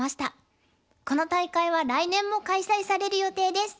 この大会は来年も開催される予定です。